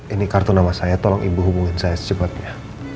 ini kartu nama saya tolong ibu hubungin saya secepatnya